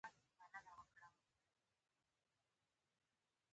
ډاکټر ویل چې بیر ستا لپاره ښه دي.